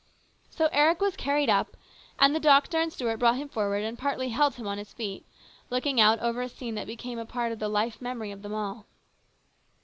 So Eric was carried up, and the doctor and Stuart brought him forward and partly held him on his feet, looking out over a scene that became a part of the life memory of them all.